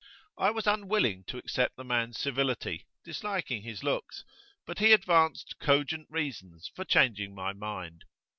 I was unwilling to accept the man's civility, disliking his looks; but he advanced cogent reasons for changing my mind.